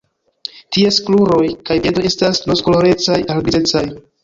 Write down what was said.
Ties kruroj kaj piedoj estas rozkolorecaj al grizecaj.